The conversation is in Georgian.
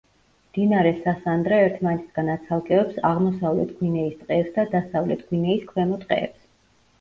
მდინარე სასანდრა ერთმანეთისგან აცალკევებს აღმოსავლეთ გვინეის ტყეებს და დასავლეთ გვინეის ქვემო ტყეებს.